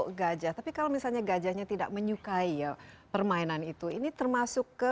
ke gajah tapi kalau misalnya gajahnya tidak menyukai ya permainan itu ini termasuk ke